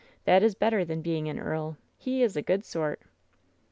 That is better than being an earl. He is a good sort."